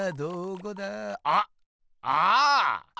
あっああ！